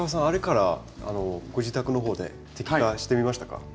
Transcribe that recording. あれからご自宅の方で摘果してみましたか？